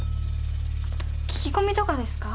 聞き込みとかですか？